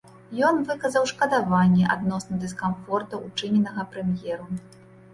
Ён выказаў шкадаванне адносна дыскамфорта, учыненага прэм'еру.